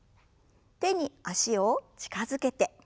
手に脚を近づけて。